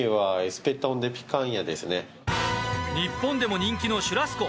日本でも人気のシュラスコ。